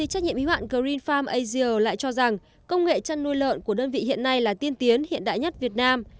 trách nhiệm y hoạn green farm asia lại cho rằng công nghệ chăn nuôi lợn của đơn vị hiện nay là tiên tiến hiện đại nhất việt nam